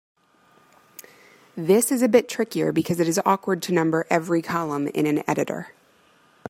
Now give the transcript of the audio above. This is a bit trickier because it is awkward to number every column in an editor.